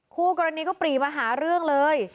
คู่กรณีก็ปรีมาหาเรื่องเลย